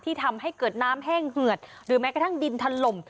ทำให้เกิดน้ำแห้งเหือดหรือแม้กระทั่งดินถล่ม